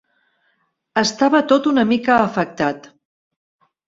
Estava tot una mica afectat.